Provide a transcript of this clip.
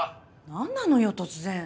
なんなのよ突然。